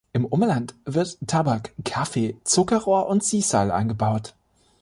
Im Umland wird Tabak, Kaffee, Zuckerrohr und Sisal angebaut.